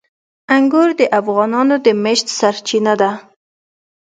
انګور د افغانانو د معیشت سرچینه ده.